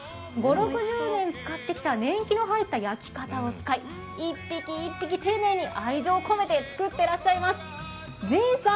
５０６０年使ってきた年季の入った焼き型を使い１匹１匹丁寧に愛情を込めて作ってらっしゃいます。